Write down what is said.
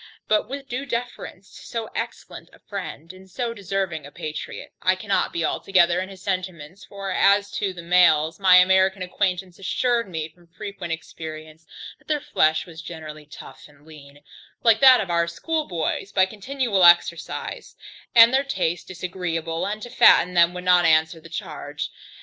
But with due deference to so excellent a friend, and so deserving a patriot, I cannot be altogether in his sentiments; for as to the males, my American acquaintance assured me from frequent experience, that their flesh was generally tough and lean, like that of our schoolboys, by continual exercise, and their taste disagreeable, and to fatten them would not answer the charge.